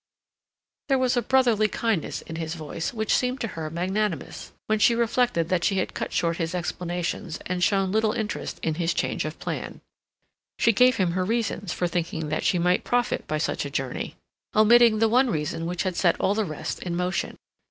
There was a brotherly kindness in his voice which seemed to her magnanimous, when she reflected that she had cut short his explanations and shown little interest in his change of plan. She gave him her reasons for thinking that she might profit by such a journey, omitting the one reason which had set all the rest in motion.